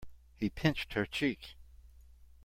He pinched her cheek.